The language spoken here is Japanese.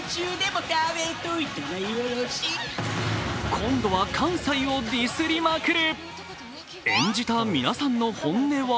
今度は関西をディスりまくる。